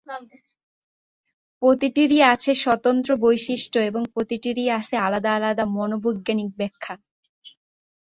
প্রতিটিরই আছে স্বতন্ত্র বৈশিষ্ট্য এবং প্রতিটিরই আছে আলাদা আলাদা মনোবৈজ্ঞানিক ব্যাখ্যা।